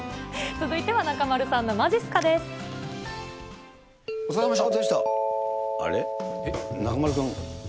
続いては中丸さんのまじっすお疲れさまでした。